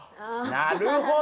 なるほど！